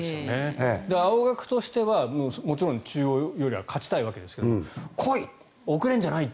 青学としてはもちろん中央よりは勝ちたいわけですが来い、遅れるんじゃないって。